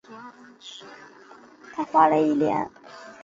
他花了一年的时间游说星巴克的老板聘用他。